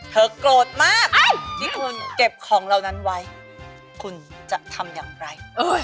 โกรธมากที่คุณเก็บของเหล่านั้นไว้คุณจะทำอย่างไร